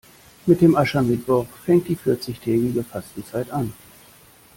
Mit dem Aschermittwoch fängt die vierzigtägige Fastenzeit an.